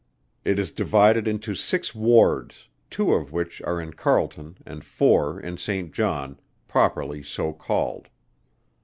It is divided into six wards, two of which are in Carleton and four in St. John, properly so called.